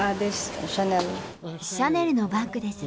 シャネルのバッグです。